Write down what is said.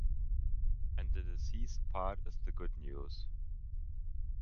And the deceased part is the good news.